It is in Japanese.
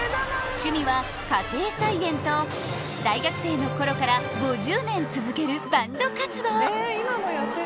趣味は家庭菜園と大学生の頃から５０年続けるバンド活動